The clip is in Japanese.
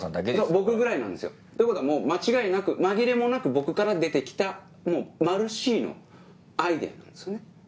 僕ぐらいなんですよってことはもう間違いなく紛れもなく僕から出て来たマルＣのアイデアなんですよね。